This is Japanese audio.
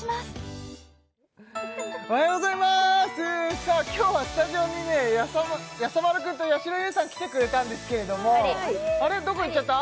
さあ今日はスタジオにねやさ丸くんとやしろ優さん来てくれたんですけれどもあれどこ行っちゃった？